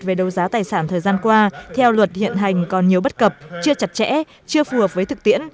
về đấu giá tài sản thời gian qua theo luật hiện hành còn nhiều bất cập chưa chặt chẽ chưa phù hợp với thực tiễn